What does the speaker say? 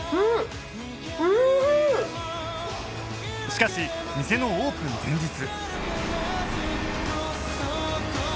しかし店のオープン前日